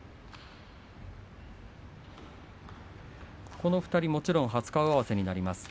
この２人、もちろん初顔合わせになります。